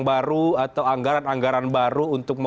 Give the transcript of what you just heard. atau anggaran anggaran baru